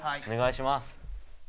お願いします。